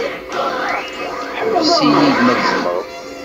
Ḥbes-iyi-d ma tzemreḍ.